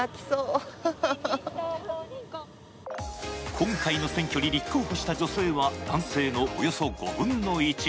今回の選挙に立候補した女性は男性のおよそ５分の１。